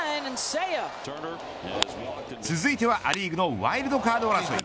続いてはア・リーグのワイルドカード争い。